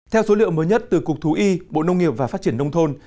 theo số liệu mới nhất từ cục thú y bộ nông nghiệp và phát triển nông thôn